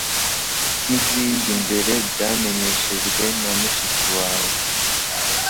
nkizindi mbere byamenyeshejwe na mushiki wawe